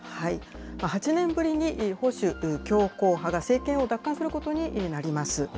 ８年ぶりに保守強硬派が政権を奪還することになります。